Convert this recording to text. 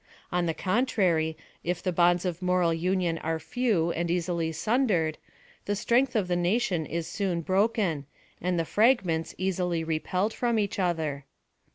On the contrary, if the bonds of moral union are few and easily sundered, the strength of the nation is soon broken, and the fragments easily repelled from each other.